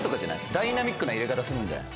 ダイナミックな入れ方するんじゃない？